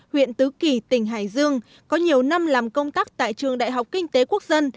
huyện tứ kỳ tỉnh hải dương có nhiều năm làm công tác tại trường đại học kinh tế quốc dân